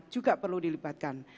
juga perlu dilibatkan